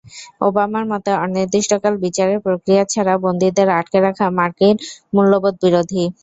ওবামার মতে, অনির্দিষ্টকাল বিচারের প্রক্রিয়া ছাড়া বন্দীদের আটকে রাখা মার্কিন মূল্যবোধবিরোধী।